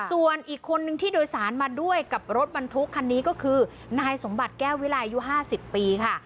ส่วนอีกคนนึงที่โดยสารมาด้วยกับรถบรรทุกคันนี้ก็คือนายสมบัติแก้ววิรายุ๕๐ปีค่ะ